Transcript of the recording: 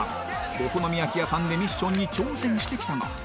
お好み焼き屋さんでミッションに挑戦してきたが